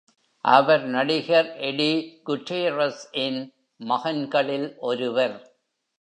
அவர் நடிகர் Eddie Gutierrez-ன் மகன்களில் ஒருவர்.